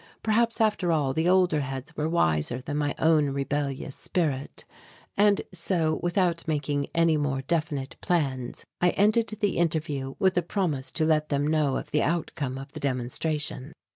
Perhaps after all the older heads were wiser than my own rebellious spirit; and so, without making any more definite plans, I ended the interview with a promise to let them know of the outcome of the demonstration.